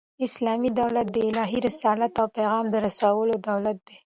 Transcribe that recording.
اسلامي دولت د الهي رسالت او پیغام د رسولو دولت دئ.